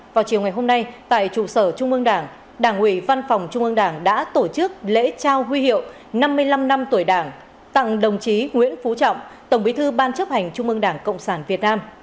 vào chiều ngày hôm nay tại trụ sở trung ương đảng đảng ủy văn phòng trung ương đảng đã tổ chức lễ trao huy hiệu năm mươi năm năm tuổi đảng tặng đồng chí nguyễn phú trọng tổng bí thư ban chấp hành trung ương đảng cộng sản việt nam